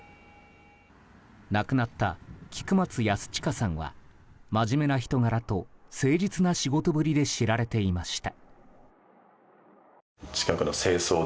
亡くなった菊松安親さんは真面目な人柄と誠実な仕事ぶりで知られていました。